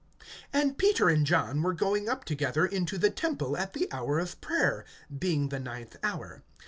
AND Peter and John were going up together into the temple at the hour of prayer, being the ninth hour.